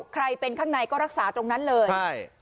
ใครเป็นข้างในก็รักษาตรงนั้นเลยใช่